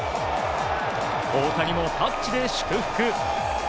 大谷もタッチで祝福。